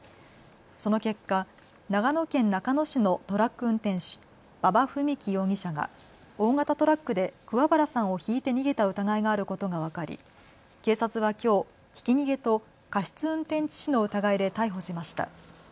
その結果、長野県中野市のトラック運転手、馬場史貴容疑者が大型トラックで桑原さんをひいて逃げた疑いがあることが分かり警察はきょうひき逃げと過失運転致死の疑いで逮捕しました。